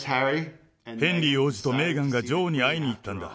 ヘンリー王子とメーガンが女王に会いに行ったんだ。